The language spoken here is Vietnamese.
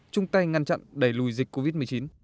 chung tay ngăn chặn đẩy lùi dịch covid một mươi chín